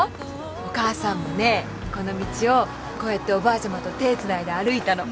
お母さんもねこの道をこうやっておばあちゃまと手つないで歩いたの。